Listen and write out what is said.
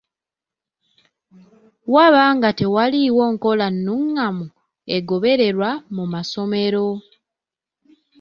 Waba nga tewaliiwo nkola nnungamu egobererwa mu masomero.